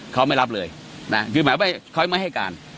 เขาไม่รับเลยนะคือหมายไปเขาไม่ให้การ